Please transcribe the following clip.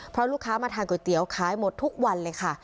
เพราะลูกค้ามาทานก๋วยเตี๋ยวขายหมดทุกวันเลยค่ะ